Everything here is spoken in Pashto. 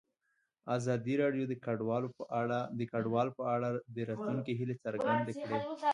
ازادي راډیو د کډوال په اړه د راتلونکي هیلې څرګندې کړې.